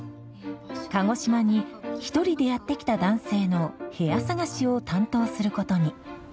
鹿児島に一人でやって来た男性の部屋探しを担当することに。